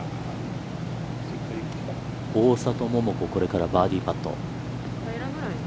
大里桃子、これからバーディーパット。